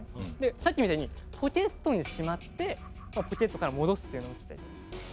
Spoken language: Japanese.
さっきみたいにポケットにしまってポケットから戻すっていうのを見せたいと思います。